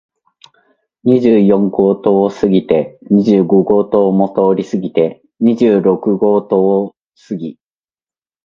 二十四号棟を過ぎて、二十五号棟も通り過ぎて、二十六号棟を過ぎ、